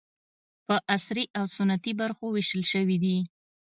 په عصري او سنتي برخو وېشل شوي دي.